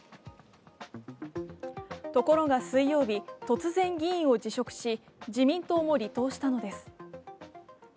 ところが水曜日、突然、議員を辞職し、自民党も離党したのです。